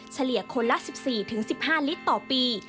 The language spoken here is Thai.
เฉลี่ยคนละ๑๔๑๕ลิตรต่อปี